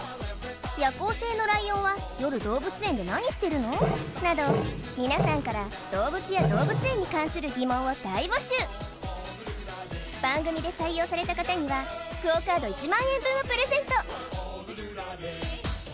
夜行性のライオンは夜動物園で何してるの？などみなさんから動物や動物園に関する疑問を大募集番組で採用された方にはＱＵＯカード１万円分をプレゼント